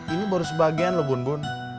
ini baru sebagian loh bun bun